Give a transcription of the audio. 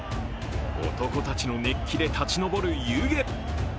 男たちの熱気で立ち上る湯気。